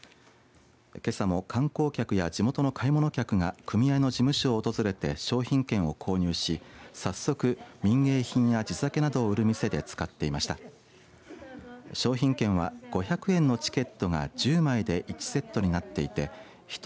けさも観光客や地元の買い物客が組合の事務所を訪れて商品券を購入し早速、民芸品や地酒などを売る店で使っていました。